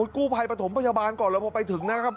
กู้ภัยประถมพยาบาลก่อนแล้วพอไปถึงนะครับ